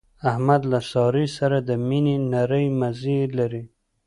احمد له سارې سره د مینې نری مزی لري.